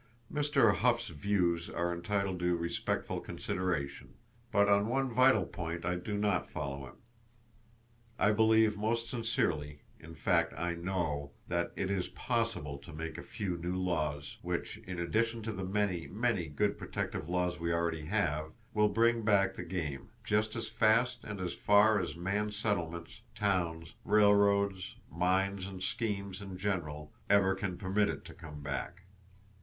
Mr. Hough's views are entitled to respectful consideration; but on one vital point I do not follow him. I believe most sincerely—in fact, I know,—that it is possible to make a few new laws which, in addition to the many, many good protective laws we already have, will bring back the game, just as fast and as far as man's settlements, towns, railroads, mines and schemes in general ever can permit it to come back.